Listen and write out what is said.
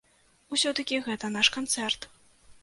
Усё-такі гэта наш канцэрт.